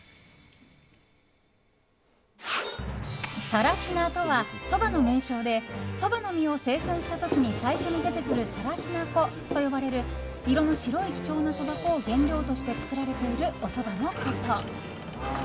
更科とはそばの名称でそばの実を製粉した時に最初に出てくる更科粉と呼ばれる色の白い貴重なそば粉を原料として作られているおそばのこと。